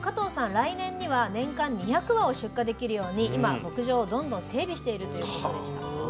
来年には年間２００羽を出荷できるように今牧場をどんどん整備しているということでした。